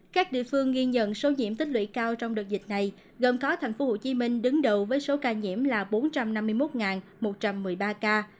các địa phương ghi nhận số nhiễm tích lũy cao trong đợt dịch này gồm có tp hcm đứng đầu với số ca nhiễm là bốn trăm năm mươi một một trăm một mươi ba ca